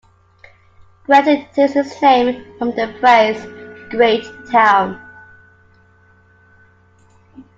Gretton takes its name from the phrase "Great Town".